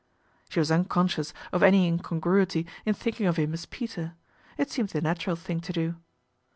She was unconscious of any incon gruity in thinking of him as Peter. It seemed the natural thing to do.